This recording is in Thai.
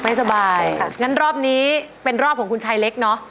ไม่สบายค่ะงั้นรอบนี้เป็นรอบของคุณชายเล็กเนอะ